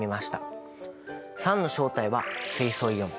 酸の正体は水素イオン。